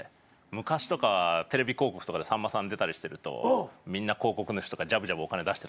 昔とかテレビ広告とかでさんまさん出たりしてるとみんな広告主とかジャブジャブお金出してたじゃないですか。